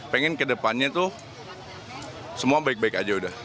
pengen ke depannya tuh semua baik baik aja udah